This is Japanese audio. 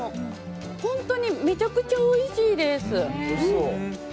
本当にめちゃくちゃおいしいです。